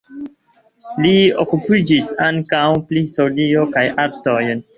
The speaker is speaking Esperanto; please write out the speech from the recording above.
Li okupiĝis ankaŭ pri historio kaj artoj.